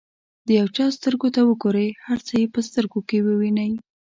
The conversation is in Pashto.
د یو چا سترګو ته وګورئ هر څه یې په سترګو کې ووینئ.